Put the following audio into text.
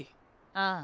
ああ。